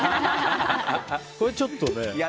これはちょっとね。